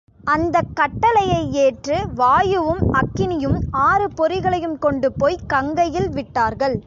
அந்தக் கட்டளையை ஏற்று வாயுவும், அக்கினியும் ஆறு பொறிகளையும் கொண்டு போய்க் கங்கையில் விட்டார்கள்.